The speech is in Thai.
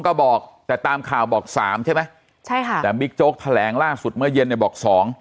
ก็บอกแต่ตามข่าวบอกสามใช่ไหมใช่ค่ะแต่บิ๊กโจ๊กแถลงล่าสุดเมื่อเย็นเนี่ยบอกสอง